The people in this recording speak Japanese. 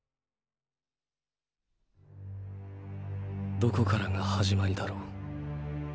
どこからが始まりだろう。